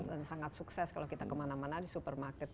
dan sangat sukses kalau kita kemana mana di supermarket